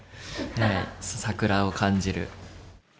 桜を感じる。